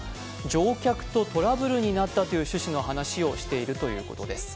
乗客とトラブルになったという趣旨の話をしているということです。